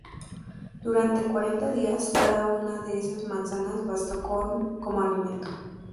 Durante cuarenta días, cada una de esas manzanas bastó como alimento"".